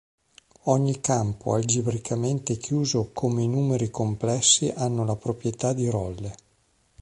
Ogni campo algebricamente chiuso come i numeri complessi hanno la proprietà di Rolle.